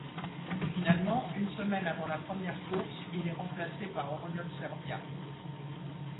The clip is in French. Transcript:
Finalement, une semaine avant la première course, il est remplacé par Oriol Servià.